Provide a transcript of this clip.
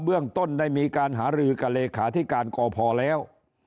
เรื่องต้นได้มีการหารือกับเลขาธิการกพแล้ว